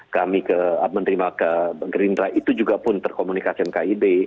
kami menerima ke gerindra itu juga pun terkomunikasi dengan kib